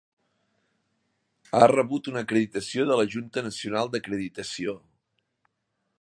Ha rebut una acreditació de la Junta nacional d"acreditació.